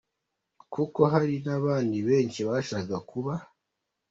kuko hari n’abandi benshi bashakaga kuba.